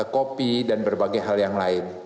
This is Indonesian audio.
kopi dan berbagai hal yang lain